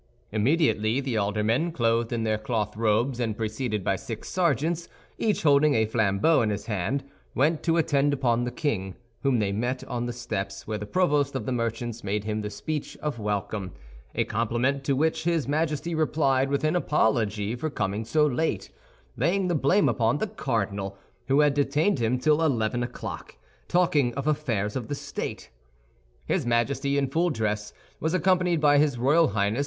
Immediately the aldermen, clothed in their cloth robes and preceded by six sergeants, each holding a flambeau in his hand, went to attend upon the king, whom they met on the steps, where the provost of the merchants made him the speech of welcome—a compliment to which his Majesty replied with an apology for coming so late, laying the blame upon the cardinal, who had detained him till eleven o'clock, talking of affairs of state. His Majesty, in full dress, was accompanied by his royal Highness, M.